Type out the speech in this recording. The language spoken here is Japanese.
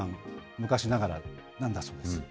昔ながらなんだそうです。